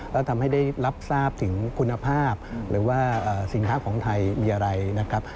แล้วทำให้ได้รับทราบถึงคุณภาพหรือว่าสินค้าของไทยมีอะไรนะครับ